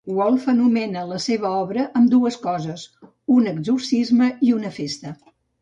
Wolfe anomena la seva obra ambdues coses, un exorcisme i una festa.